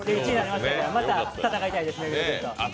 また戦いたいですね。